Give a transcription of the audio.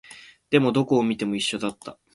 でも、どこを見ても一緒だった